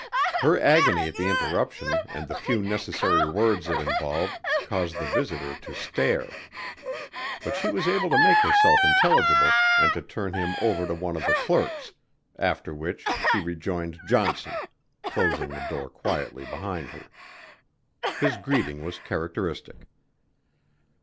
Her agony at the interruption and the few necessary words it involved caused the visitor to stare. But she was able to make herself intelligible and to turn him over to one of the clerks, after which she rejoined Johnson, closing the door quietly behind her. His greeting was characteristic.